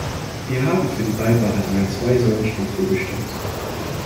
Wir haben für die Beibehaltung der Zwei-Säulen-Struktur gestimmt.